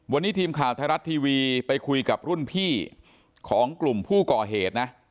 วันนี้ทีมข่าวไทยรัฐทีวีไปคุยกับรุ่นพี่ของกลุ่มผู้ก่อเหตุนะ